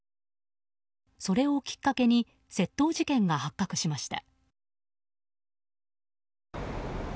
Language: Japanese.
それをきっかけに窃盗事件が発覚しました。